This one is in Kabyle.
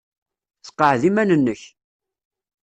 Sseqɛed iman-nnek.